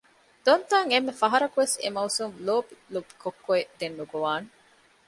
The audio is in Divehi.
ދޮންތައަށް އެންމެ ފަހަރަކުވެސް އެ މައުސޫމު ލޮބިލޯބި ކޮއްކޮއެއް ދެން ނުގޮވާނެ